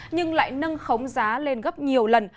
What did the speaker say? nhưng lại nâng khống giá lên gấp nhiều lần